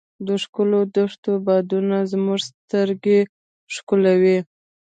د ښکلو دښتو بادونو زموږ سترګې ښکلولې.